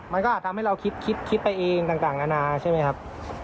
อาจทำให้เราคิดไปเองต่างนานาใช่ไหมครับ